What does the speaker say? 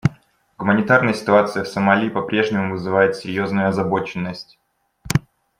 Гуманитарная ситуация в Сомали по-прежнему вызывает серьезную озабоченность.